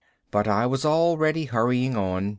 But I was already hurrying on.